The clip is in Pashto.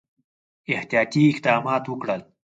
احتیاطي اقدمات وکړل.